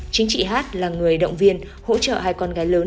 chính chị hát là người động viên hỗ trợ hai con gái lớn